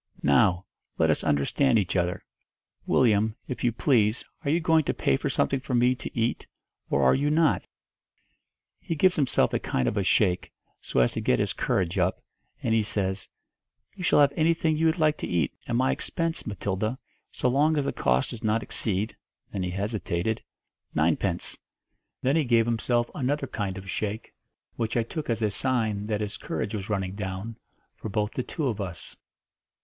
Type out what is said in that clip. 'Now, let us understand each other. Willyum, if you please, are you going to pay for something for me to eat, or are you not?' He gives himself a kind of a shake, so as to get his courage up, and he says, 'You shall have anything you like to eat, at my expense, Matilda, so long as the cost does not exceed' then he hesitated 'ninepence.' Then he gave himself another kind of shake, which I took as a sign that his courage was running down, 'for both the two of us.'